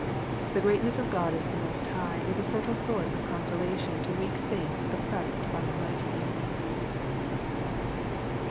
The great ness of God as the Most High is a fertile source of consolation to weak saints oppressed by mighty enemies.